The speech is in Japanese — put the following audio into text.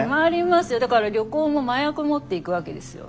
だから旅行も麻薬持って行くわけですよ。